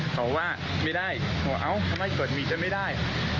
เขาบอกว่าไม่ได้